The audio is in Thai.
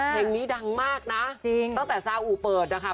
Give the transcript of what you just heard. เพลงนี้ดังมากนะจริงตั้งแต่ซาอูเปิดนะคะ